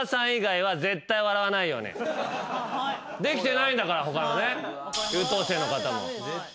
できてないんだから他の優等生の方も。